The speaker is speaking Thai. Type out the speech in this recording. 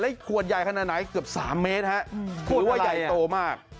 ขวดใหญ่ขนาดไหนเกือบ๓เมตรฮะถือว่าใหญ่โตมาก